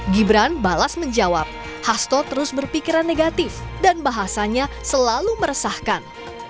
gibran balas menjawab hasto terus berpikiran negatif dan bahasanya selalu meresahkan